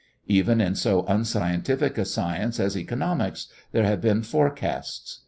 Even in so unscientific a science as economics there have been forecasts.